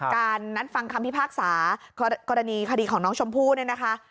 การนัดฟังคำพิพากษากรณีคดีของน้องชมพู่เนี่ยนะคะ